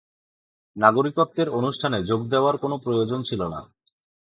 নাগরিকত্বের অনুষ্ঠানে যোগ দেওয়ার কোনো প্রয়োজন ছিল না।